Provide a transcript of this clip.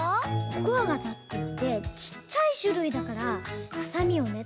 「コクワガタ」っていってちっちゃいしゅるいだからはさみをね